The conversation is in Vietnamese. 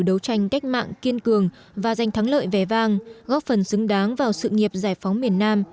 đấu tranh cách mạng kiên cường và giành thắng lợi vẻ vang góp phần xứng đáng vào sự nghiệp giải phóng miền nam